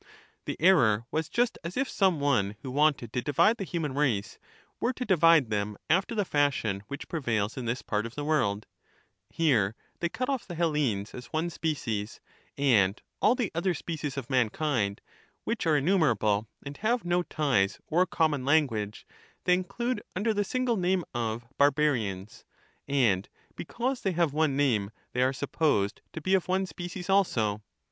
The error was just as if some one who wanted to divide the human race, were to divide them after the fashion which prevails in this part of the world ; here they cut off the Hellenes as one species, and all the other species of mankind, which are innumerable, and have no ties or com mon language, they include under the single name of ' bar barians,' and because they have one name they are supposed to be of one species also.